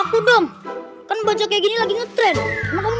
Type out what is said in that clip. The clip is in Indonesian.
ketemuopen tenan kan